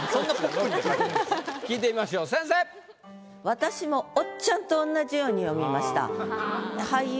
私もおっちゃんとおんなじように読みました。